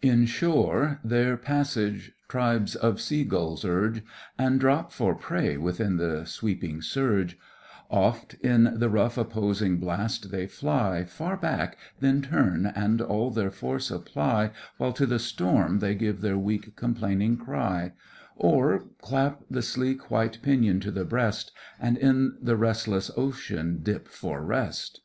In shore their passage tribes of Sea gulls urge, And drop for prey within the sweeping surge; Oft in the rough opposing blast they fly Far back, then turn, and all their force apply, While to the storm they give their weak complaining cry; Or clap the sleek white pinion to the breast, And in the restless ocean dip for rest.